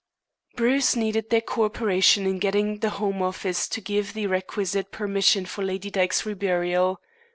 Bruce needed their co operation in getting the home office to give the requisite permission for Lady Dyke's reburial.